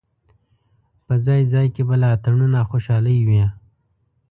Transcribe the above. په ځای ځای کې به لا اتڼونه او خوشالۍ وې.